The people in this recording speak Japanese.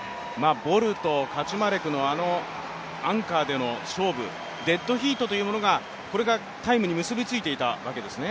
ボルト、カチュマレクのアンカーでの勝負、デッドヒートというものがタイムに結びついていたわけですね。